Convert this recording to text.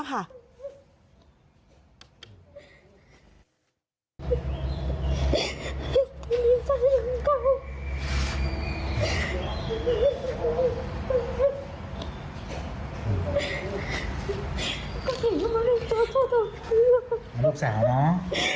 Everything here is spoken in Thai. มารุกสาวเนาะ